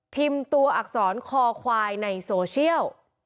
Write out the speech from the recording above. ตัวอักษรคอควายในโซเชียล